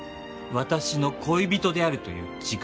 私の恋人であるという自覚。